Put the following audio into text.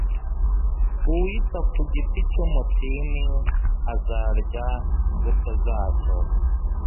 Uwita ku giti cy’umutini azarya imbuto zacyo